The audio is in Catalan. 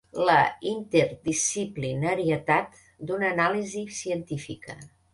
La interdisciplinarietat d'una anàlisi científica.